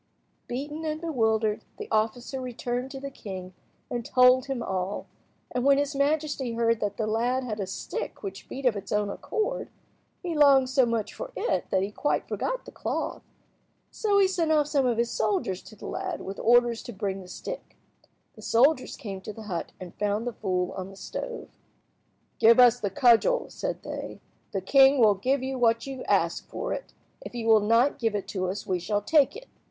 Beaten and bewildered, the officer returned to the king and told him all, and when his majesty heard that the lad had a stick which beat of its own accord, he longed so much for it that he quite forgot the cloth. So he sent off some of his soldiers to the lad with orders to bring the stick. The soldiers came to the hut and found the fool on the stove. "Give us the cudgel," said they. "The king will give you what you ask for it. If you will not give it to us we shall take it."